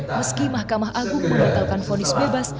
meski mahkamah agung membatalkan fonis bebas